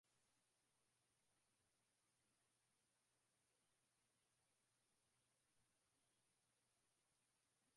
kuwa na uwezo waNi nadra sana kupata hali ambapo kitu chochote